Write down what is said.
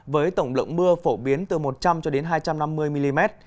với tổng lượng mưa phổ biến từ một trăm linh cho đến hai trăm năm mươi mm